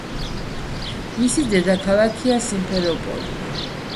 მისი დედაქალაქია სიმფეროპოლი.